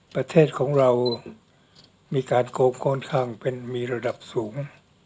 ประเทศของเรามีการโกงค่อนข้างเป็นมีระดับสูง